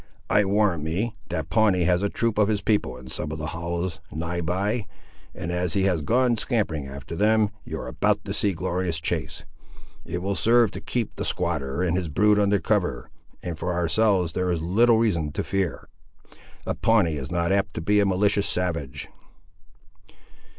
I warrant me, that Pawnee has a troop of his people in some of the hollows, nigh by; and as he has gone scampering after them, you are about to see a glorious chase. It will serve to keep the squatter and his brood under cover, and for ourselves there is little reason to fear. A Pawnee is not apt to be a malicious savage."